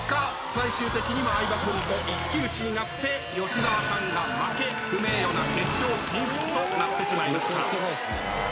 最終的に相葉君と一騎打ちになって吉沢さんが負け不名誉な決勝進出となりました。